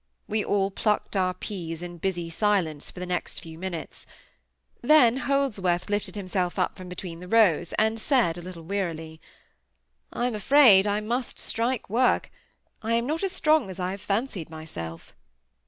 We all plucked our peas in busy silence for the next five minutes. Then Holdsworth lifted himself up from between the rows, and said, a little wearily, "I am afraid I must strike work. I am not as strong as I fancied myself."